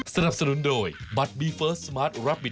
โปรดติดตามตอนต่อไป